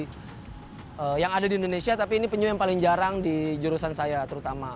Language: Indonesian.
tapi diantara semua konservasi yang ada di indonesia ini penyuh yang paling jarang di jurusan saya terutama